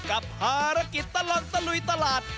กับภารกิจตลอดตะลุยตลาด